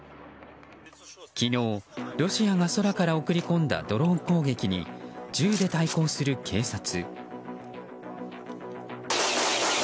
昨日、ロシアが空から送り込んだドローン攻撃に銃で対抗する警察。